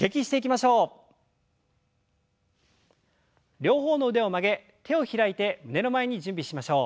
両方の腕を曲げ手を開いて胸の前に準備しましょう。